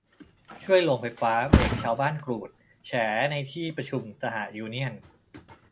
ช่วยโรงไฟฟ้า เบรคชาวบ้านกรูด แฉในที่ประชุมสหยูเนี่ยน